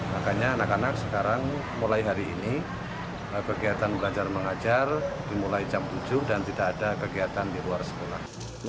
makanya anak anak sekarang mulai hari ini kegiatan belajar mengajar dimulai jam tujuh dan tidak ada kegiatan di luar sekolah